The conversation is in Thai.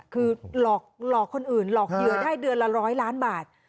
คือหลอกคนอื่นหลอกเหยื่อได้เดือนละ๑๐๐ล้านบาท